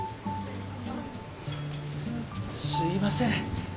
すいません。